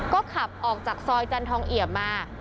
ก็ขับออกจากซอยจันทองเอี่ยมมา